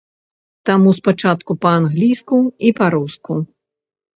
Таму спачатку па-англійску і па-руску.